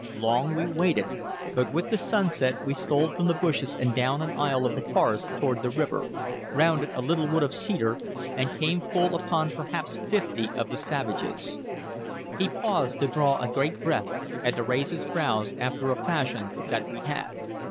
Long we waited, but with the sunset we stole from the bushes and down an aisle of the forest toward the river, rounded a little wood of cedar, and came full upon perhaps fifty of the savages" He paused to draw a great breath and to raise his brows after a fashion that he had.